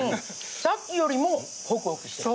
さっきよりもホクホクしてる。